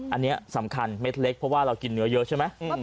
อันนี้สำคัญเม็ดเล็กเพราะว่าเรากินเนื้อเยอะใช่ไหม